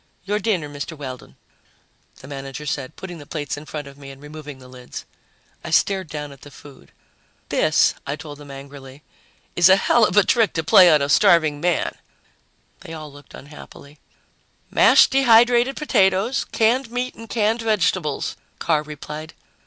"Your dinner, Mr. Weldon," the manager said, putting the plates in front of me and removing the lids. I stared down at the food. "This," I told them angrily, "is a hell of a trick to play on a starving man!" They all looked unhappy. "Mashed dehydrated potatoes, canned meat and canned vegetables," Carr replied.